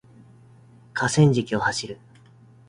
河川敷を走る